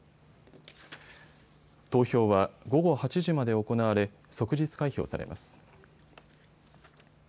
投票は午後８時まで行われ即日開票されます。